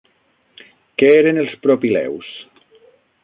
Què eren els Propileus?